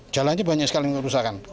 jalannya banyak sekali kerusakan